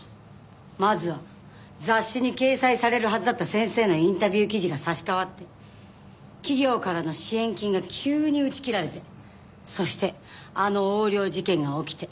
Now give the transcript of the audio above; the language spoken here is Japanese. まずは雑誌に掲載されるはずだった先生のインタビュー記事が差し替わって企業からの支援金が急に打ち切られてそしてあの横領事件が起きて。